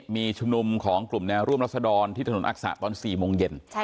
มีชุมนุมของกลุ่มแนวร่วมรัศดรที่ถนนอักษะตอน๔โมงเย็น